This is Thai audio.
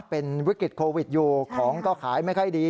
เป็นวิกฤตโควิดอยู่ของก็ขายไม่ค่อยดี